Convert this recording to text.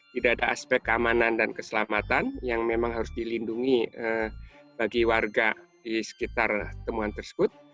tidak ada aspek keamanan dan keselamatan yang memang harus dilindungi bagi warga di sekitar temuan tersebut